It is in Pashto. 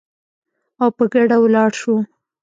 او په ګډه ولاړ شو